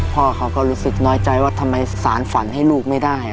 พ่อเขาก็รู้สึกน้อยใจว่าทำไมสารฝันให้ลูกไม่ได้